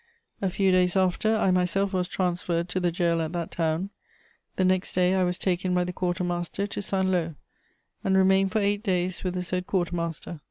A few days after, I myself was transferred to the gaol at that town; the next day, I was taken by the quarter master to Saint Lô, and remained for eight days with the said quarter master.